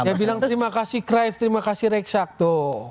dia bilang terima kasih cruyff terima kasih rekshak tuh